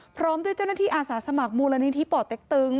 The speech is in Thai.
พร้อมด้วยเจ้าหน้าที่อาสาสมัครมูลนิธิป่อเต็กตึง